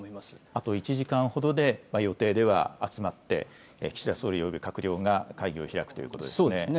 あと１時間ほどで予定では集まって、岸田総理および閣僚が会議を開くということですね。